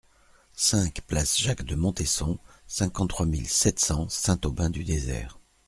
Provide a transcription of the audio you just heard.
cinq place Jacques de Montesson, cinquante-trois mille sept cents Saint-Aubin-du-Désert